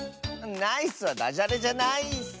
「ナイス」はダジャレじゃないッス！